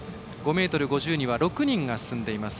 ５ｍ５０には６人が進んでいます。